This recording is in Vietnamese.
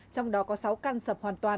trong đó có sáu căn sập hoàn toàn